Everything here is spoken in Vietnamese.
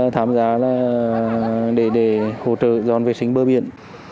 thám giá để hỗ trợ dọn vệ sinh bơ biện